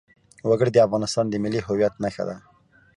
وګړي د افغانستان د ملي هویت نښه ده.